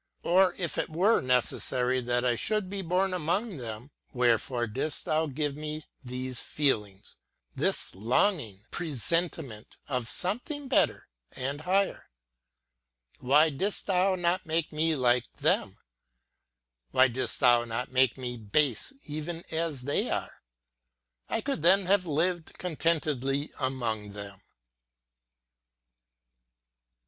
or if it wore necessary that I should bo born among them, wherefore didst thou give me these feelings, this longing presentiment of something better and higher) why didst thou not make me like them I why didst thon not make me base even as they are I I could then have lived contentedly among them.'